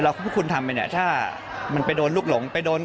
ร่าเริงชอบฟังเพลงมีความฝันอยากจะทำงานในวงการดนตรี